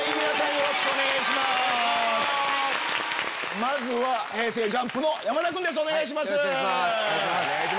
よろしくお願いします。